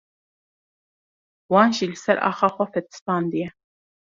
wan jî li ser axa xwe fetisandiye